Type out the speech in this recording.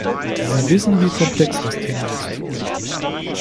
Sie wissen, wie komplex das Thema ist.